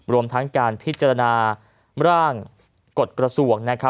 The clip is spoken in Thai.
รวมทั้งการพิจารณาร่างกฎกระทรวง